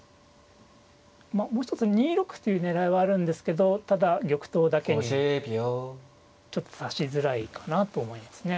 まあもう一つ２六歩という狙いはあるんですけどただ玉頭だけにちょっと指しづらいかなと思いますね。